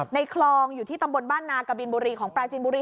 ในคลองอยู่ที่ตำบลบ้านนากบินบุรีของปราจีนบุรี